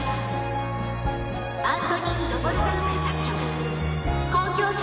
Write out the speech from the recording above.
アントニン・ドヴォルザーク作曲交響曲